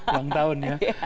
belum tahun ya